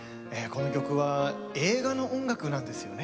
この曲は映画の音楽なんですよね。